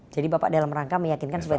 jadi bapak dalam rangka meyakinkan pak luhut